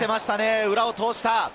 裏を通した！